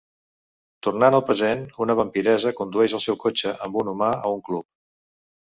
Tornant al present, una vampiressa condueix el seu cotxe amb un humà a un club.